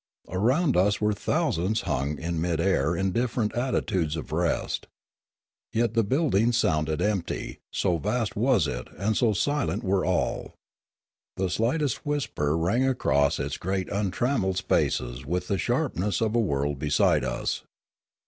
Around us were thousands hung in mid air in different attitudes of rest. Yet the building 222 Limanora sounded empty, so vast was it and so silent were all. The slightest whisper rang across its great untram melled spaces with the sharpness of a word beside us.